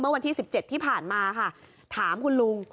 เมื่อวันที่สิบเจ็ดที่ผ่านมาค่ะถามคุณลุง